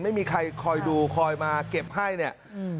ไม่มีใครคอยดูคอยมาเก็บให้เนี่ยอืม